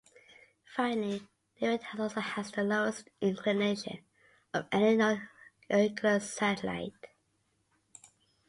Finally, Nereid also has the lowest inclination of any known irregular satellite.